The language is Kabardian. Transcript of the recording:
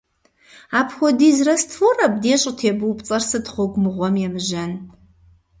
Апхуэдиз раствор абдей щӀытебупцӀэр сыт, гъуэгу мыгъуэм емыжьэн?!